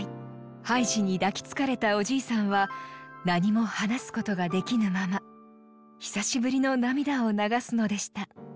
ハイジに抱きつかれたおじいさんは何も話すことができぬまま久しぶりの涙を流すのでした。